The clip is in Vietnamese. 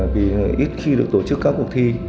vì ít khi được tổ chức các cuộc thi